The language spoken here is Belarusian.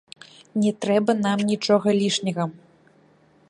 Не трэба нам нічога лішняга!